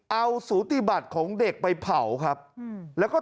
เอาสูติบัติของเด็กไปเผาครับแล้วก็